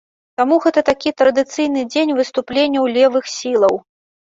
Таму гэта такі традыцыйны дзень выступленняў левых сілаў.